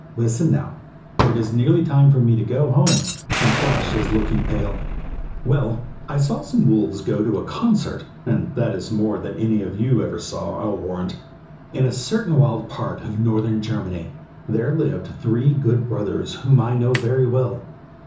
Listen now, for it is nearly time for me to go home, and Flash is looking pale. "Well, I saw some wolves go to a concert, and that is more than any of you ever saw, I'll warrant. In a certain wild part of northern Germany, there lived three good brothers whom I know very well.